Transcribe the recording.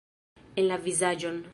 En la vizaĝon!